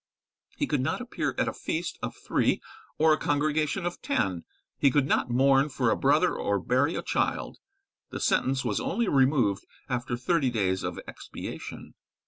He could not appear at a feast of three or a congregation of ten; he could not mourn for a brother or bury a child. The sentence was only removed after thirty days of expiation.